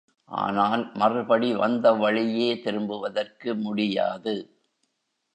ஆனால் மறுபடி வந்த வழியே திரும்புவதற்கு முடியாது.